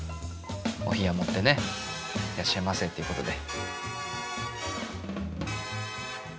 お冷持ってねいらっしゃいませっていうことで。